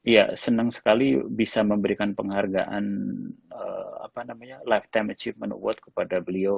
ya senang sekali bisa memberikan penghargaan lifetime achievement award kepada beliau